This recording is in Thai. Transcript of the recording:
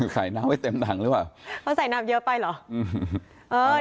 สายน้ำที่เต็มตังเลยว่ะเขาสายน้ำเยอะไปเหรอ